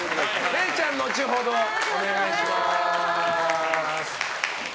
れいちゃんは後ほどお願いします。